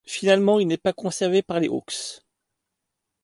Finalement, il n'est pas conservé par les Hawks.